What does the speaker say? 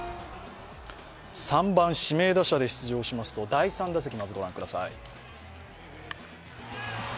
３番・指名打者で出場しますと、第３打席をまず御覧ください。